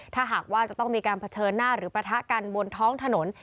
ถ้าหากว่าจะต้องมีการเผชิญหน้าหรือปะทะกันบนท้องถนน